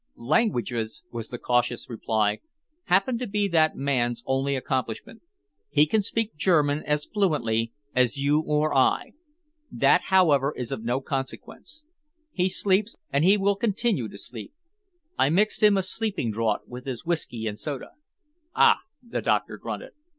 "Languages," was the cautious reply, "happen to be that man's only accomplishment. He can speak German as fluently as you or I. That, however, is of no consequence. He sleeps and he will continue to sleep. I mixed him a sleeping draught with his whisky and soda." "Ah!" the doctor grunted.